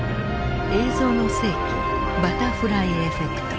「映像の世紀バタフライエフェクト」。